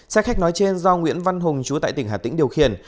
xe khách nói trên do nguyễn văn hùng chú tại tỉnh hà tĩnh điều khiển